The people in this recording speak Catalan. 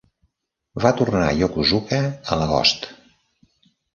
Va tornar a Yokosuka a l'agost.